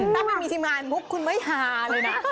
ถ้าไม่มีทีมงานปุ๊บคุณไม่ฮาเลยนะ